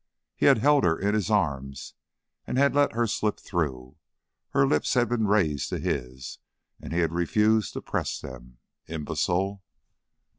He had held her in his arms and had let her slip through; her lips had been raised to his, and he had refused to press them. Imbecile!